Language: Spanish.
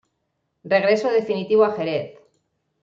Regreso definitivo a Jerez.